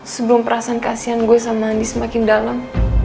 sebelum perasaan kasihan gue sama andi semakin dalam